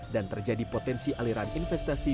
dan terjadi potensi aliran investasi